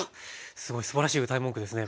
すごいすばらしいうたい文句ですねこれ。